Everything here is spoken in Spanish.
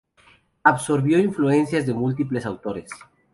Absorbió influencias de múltiples autores.